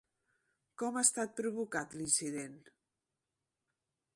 Com ha estat provocat l'incident?